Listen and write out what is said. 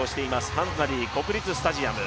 ハンガリー国立スタジアム。